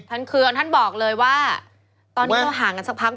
ตอนนี้ก็ห่างกันสักพัก